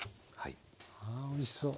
あおいしそう。